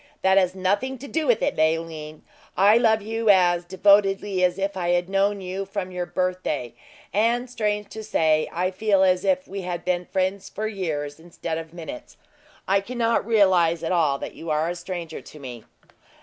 "That has nothing to do with it, Leoline. I love you as devotedly as if I had known you from your birthday; and, strange to say, I feel as if we had been friends for years instead of minutes. I cannot realize at all that you are a stranger to me!"